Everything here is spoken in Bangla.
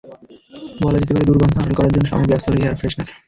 বলা যেতে পারে, দুর্গন্ধ আড়াল করার জন্য সাময়িক ব্যবস্থা হলো এয়ার ফ্রেশনার।